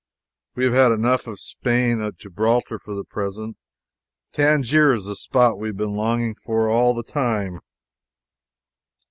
We have had enough of Spain at Gibraltar for the present. Tangier is the spot we have been longing for all the time.